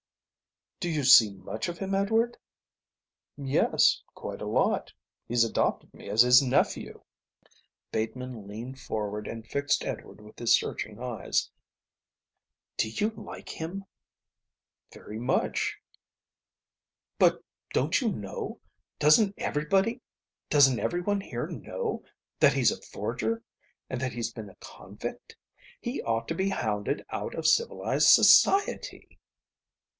"Do you see much of him, Edward?" "Yes, quite a lot. He's adopted me as his nephew." Bateman leaned forward and fixed Edward with his searching eyes. "Do you like him?" "Very much." "But don't you know, doesn't everyone here know, that he's a forger and that he's been a convict? He ought to be hounded out of civilised society."